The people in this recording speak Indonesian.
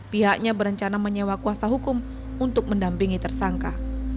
pihaknya berencana menyewa kuasa hukum untuk mendampingi tersangka